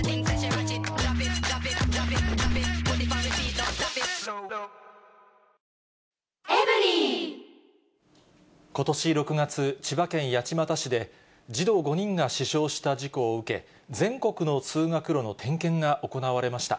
ちょうど通学路で、すごく危ことし６月、千葉県八街市で、児童５人が死傷した事故を受け、全国の通学路の点検が行われました。